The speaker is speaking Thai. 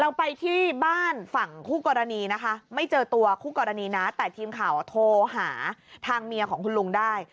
เราไปที่บ้านฝั่งคู่กรณีนะคะไม่เจอตัวคู่กรณีนะแต่ทีมข่าวโทรหาทางเมียของคุณลุงได้